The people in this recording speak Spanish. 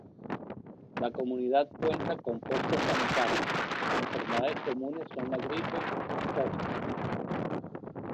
La comunidad cuenta con posta sanitaria, las enfermedades comunes son la gripe, tos.